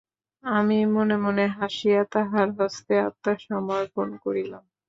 আমি মনে মনে হাসিয়া তাহার হস্তে আত্মসমর্পণ করিলাম।